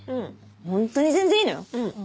ホントに全然いいのよ。